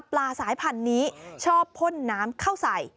ปลาสายผันนี้ชอบพ่นน้ำเข้าใส่